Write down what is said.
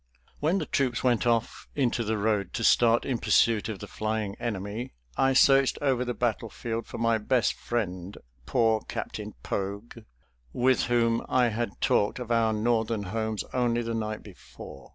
When the troops went off into the road to start in pursuit of the flying enemy, I searched over the battlefield for my best friend, poor Captain Poag, with whom I had talked of our Northern homes only the night before.